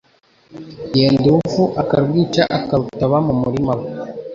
yenda uruvu akarwica akarutaba mu murima we,